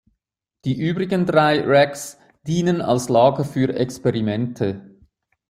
Die übrigen drei Racks dienen als Lager für Experimente.